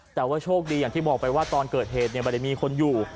แต่ว่าโชคดีอย่างที่บอกไปว่าตอนเกิดเหตุไม่ได้มีคนอยู่